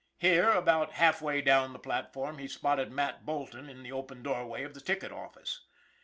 Here, about half way down the platform, he spotted Mat Bolton in the open doorway of the ticket office.